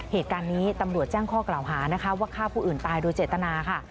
เหตุการณ์นี้ตำรวจแจ้งข้อกล่าวหานะคะว่าฆ่าผู้อื่นตายโดยเจตนาค่ะ